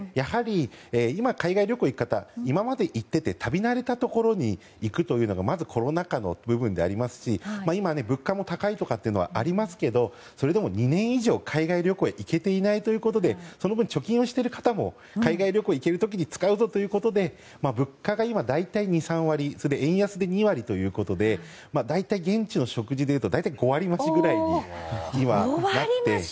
今、海外旅行に行く方今まで行ってて旅慣れたところに行くというのがまず、コロナ禍の部分でありますし今、物価も高いとかっていうのがありますけどそれでも２年以上海外旅行に行けていないということでその分、貯金している方も海外旅行に行ける時に使うぞということで物価が今、大体２３割円安で２割ということで現地の食事でいうと大体５割増しぐらいにはなって。